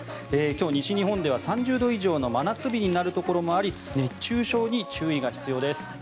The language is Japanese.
今日、西日本では３０度以上の真夏日になるところもあり熱中症に注意が必要です。